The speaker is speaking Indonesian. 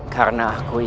karena aku ingin